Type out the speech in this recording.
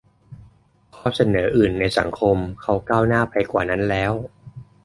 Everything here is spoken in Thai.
- ข้อเสนออื่นในสังคมเขาก้าวหน้าไปกว่านั้นแล้ว